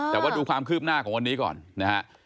แต่ว่าดูความคืบหน้าของวันนี้ก่อนนะฮะ